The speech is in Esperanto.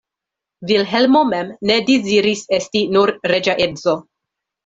Vilhelmo mem ne deziris esti nur reĝa edzo.